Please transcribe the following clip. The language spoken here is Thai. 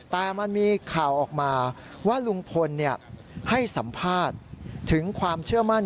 แต่มันมีข่าวออกมาว่าลุงพลให้สัมภาษณ์ถึงความเชื่อมั่น